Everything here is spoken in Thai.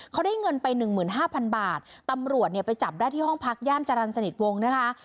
เขาได้เงินไปหนึ่งหมื่นห้าพันบาทตำรวจเนี่ยไปจับได้ที่ห้องพักย่านจรรย์สนิทวงนะคะ